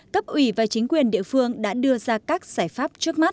cấp ủy và chính quyền địa phương đã đưa ra các giải pháp trước mắt